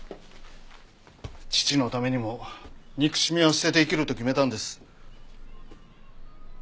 父のためにも憎しみは捨てて生きると決めたんです。